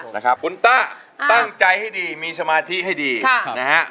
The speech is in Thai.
นะครับคุณต้าตั้งใจให้ดีมีสมาธิให้ดีนะฮะ